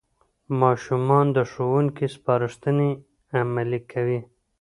ماشومان د ښوونکو سپارښتنې عملي کوي